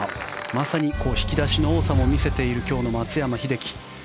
まさに引き出しの多さも見せている今日の松山英樹。